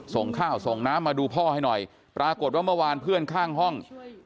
ส่งข้าวส่งน้ำมาดูพ่อให้หน่อยปรากฏว่าเมื่อวานเพื่อนข้างห้อง